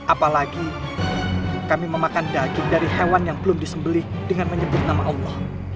apalagi kami memakan daging dari hewan yang belum disembeli dengan menyebut nama allah